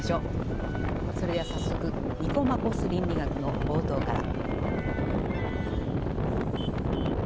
それでは早速「ニコマコス倫理学」の冒頭から。